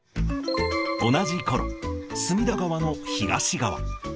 同じころ、隅田川の東側。